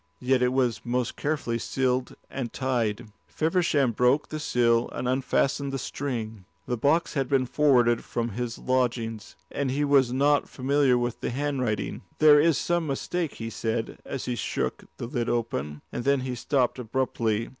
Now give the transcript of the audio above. Yet it was most carefully sealed and tied. Feversham broke the seals and unfastened the string. He looked at the address. The box had been forwarded from his lodgings, and he was not familiar with the handwriting. "There is some mistake," he said as he shook the lid open, and then he stopped abruptly.